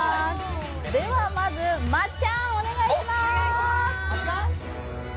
ではまず、まっちゃん、お願いします。